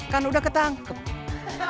kan udah ketangkep